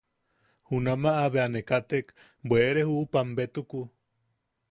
Junamaʼa bea ne katek bwere juʼupam betuku.